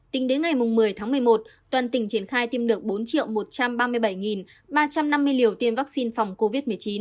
tính đến ngày một mươi tháng một mươi một toàn tỉnh triển khai tiêm được bốn một trăm ba mươi bảy ba trăm năm mươi liều tiêm vaccine phòng covid một mươi chín